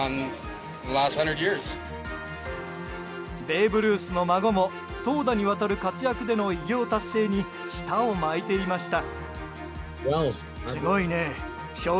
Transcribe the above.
ベーブ・ルースの孫も投打にわたる活躍での偉業達成に舌を巻いていました。